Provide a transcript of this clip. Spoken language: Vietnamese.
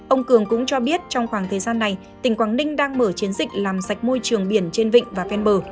ông cường cũng cho biết trong khoảng thời gian này tỉnh quảng ninh đang mở chiến dịch làm sạch môi trường biển trên vịnh và ven bờ